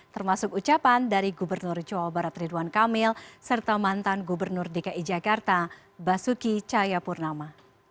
termasuk ucapan dari gubernur jawa barat ridwan kamil serta mantan gubernur dki jakarta basuki cahayapurnama